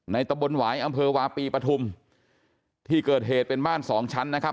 ตะบนหวายอำเภอวาปีปฐุมที่เกิดเหตุเป็นบ้านสองชั้นนะครับ